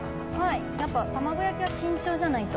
やっぱりたまご焼きは慎重じゃないと。